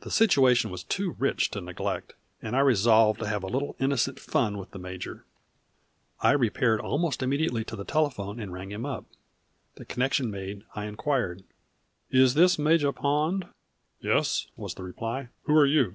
The situation was too rich to neglect, and I resolved to have a little innocent fun with the major. I repaired almost immediately to the telephone and rang him up. The connection made, I inquired: "Is this Major Pond?" "Yes," was the reply. "Who are you?"